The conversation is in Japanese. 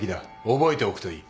覚えておくといい。